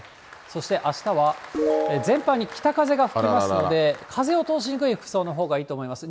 そしてあしたは、ぜんぱんに北風が吹きますので、風を通しにくい服装のほうがいいと思います。